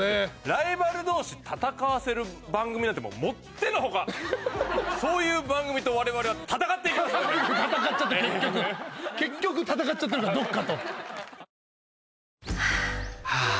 ライバル同士戦わせる番組なんてもってのほかそういう番組とわれわれは戦っていきますんでね結局戦っちゃってるからどっかとハァ。